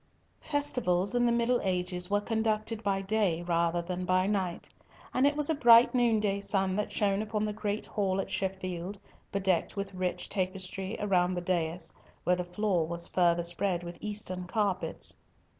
Festivals in the middle ages were conducted by day rather than by night, and it was a bright noonday sun that shone upon the great hall at Sheffield, bedecked with rich tapestry around the dais, where the floor was further spread with Eastern carpets.